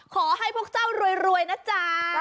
ขอให้พวกเจ้ารวยนะจ๊ะ